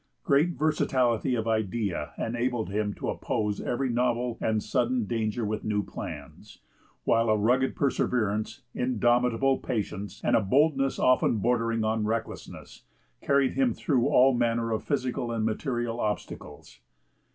Great versatility of idea enabled him to oppose every novel and sudden danger with new plans, while a rugged perseverance, indomitable patience, and a boldness often bordering on recklessness, carried him through all manner of physical and material obstacles.